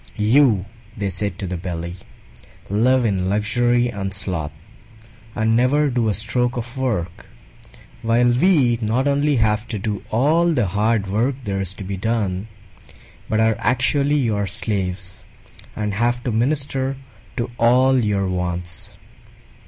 "You," they said to the Belly, "live in luxury and sloth, and never do a stroke of work; while we not only have to do all the hard work there is to be done, but are actually your slaves and have to minister to all your wants.